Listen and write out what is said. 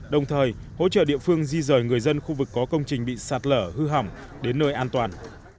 đồng thời hỗ trợ địa phương di rời người dân khu vực có công trình bị sạt lở hư hỏng đến nơi an toàn